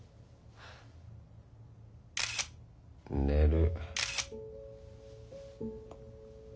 寝る。